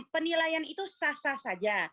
penilaian itu sah sah saja